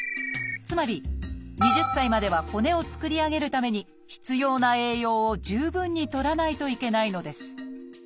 つまり２０歳までは骨を作り上げるために必要な栄養を十分にとらないといけないのです。